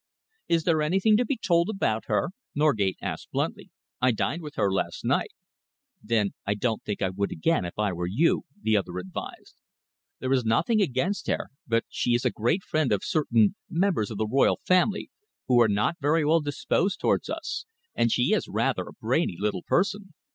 "Is there anything to be told about her?" Norgate asked bluntly. "I dined with her last night." "Then I don't think I would again, if I were you," the other advised. "There is nothing against her, but she is a great friend of certain members of the Royal Family who are not very well disposed towards us, and she is rather a brainy little person.